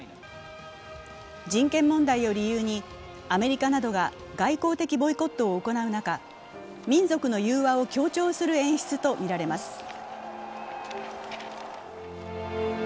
人権問題を理由にアメリカなどが外交的ボイコットを行う中、民族の融和を強調する演出とみられます。